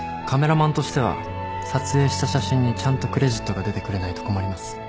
カメラマンとしては撮影した写真にちゃんとクレジットが出てくれないと困ります。